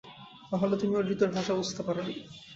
তাহলে তুমি ওর হৃদয়ের ভাষা বুঝতে পারো নি।